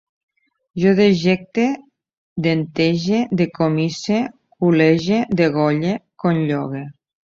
Jo dejecte, dentege, decomisse, culege, degolle, conllogue